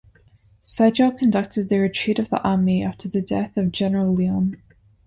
Sigel conducted the retreat of the army after the death of General Lyon.